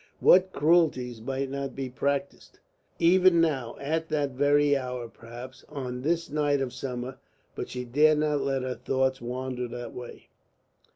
What cruelties might not be practised? Even now, at that very hour perhaps, on this night of summer but she dared not let her thoughts wander that way....